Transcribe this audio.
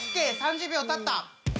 ３０秒たった。